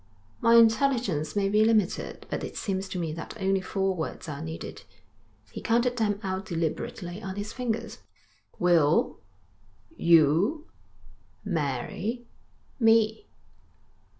'My intelligence may be limited, but it seems to me that only four words are needed.' He counted them out deliberately on his fingers. 'Will you marry me?'